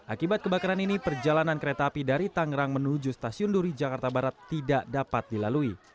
akibat kebakaran ini perjalanan kereta api dari tangerang menuju stasiun duri jakarta barat tidak dapat dilalui